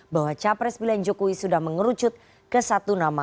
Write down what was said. bahwa capres pilihan jokowi sudah mengerucut ke satu nama